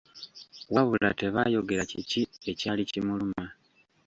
Wabula tebaayogera kiki ekyali kimuluma.